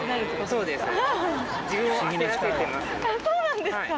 そうなんですか。